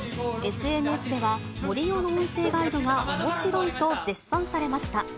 ＳＮＳでは、森生の音声ガイドがおもしろいと絶賛されました。